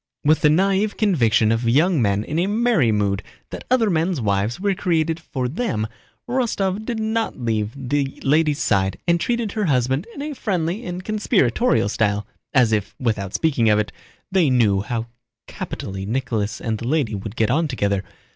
With the naïve conviction of young men in a merry mood that other men's wives were created for them, Rostóv did not leave the lady's side and treated her husband in a friendly and conspiratorial style, as if, without speaking of it, they knew how capitally Nicholas and the lady would get on together.